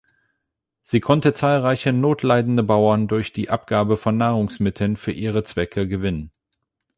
Sie konnte zahlreiche notleidende Bauern durch die Abgabe von Nahrungsmitteln für ihre Zwecke gewinnen.